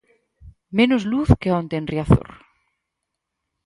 Menos luz que onte en Riazor.